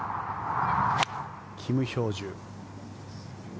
キム・ヒョージュ。